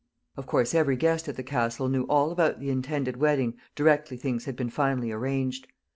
Of course every guest at the Castle knew all about the intended wedding directly things had been finally arranged.